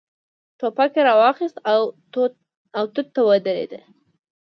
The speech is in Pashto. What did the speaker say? ټوپک يې را واخيست، توت ته ودرېد.